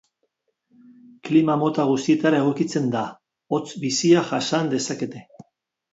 Klima mota guztietara egokitzen da, hotz bizia jasan dezakete.